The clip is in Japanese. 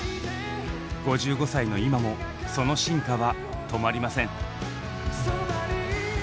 ５５歳の今もその進化は止まりません。